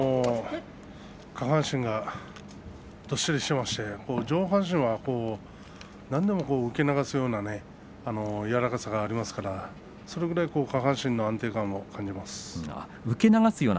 下半身がどっしりしていますし上半身はなんでも受け流すような柔らかさがありますからそれぐらい下半身の安定感を感じます。